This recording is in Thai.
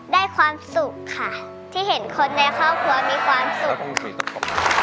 ได้ความสุขค่ะที่เห็นคนในครอบครัวมีความสุข